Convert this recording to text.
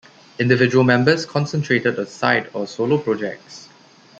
Individual members concentrated on side or solo projects.